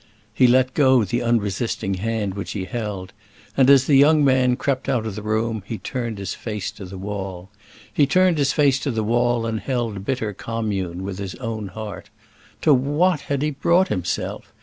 He let go the unresisting hand which he held, and, as the young man crept out of the room, he turned his face to the wall. He turned his face to the wall and held bitter commune with his own heart. To what had he brought himself?